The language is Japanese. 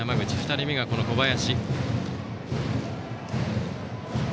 ２人目がこの小林。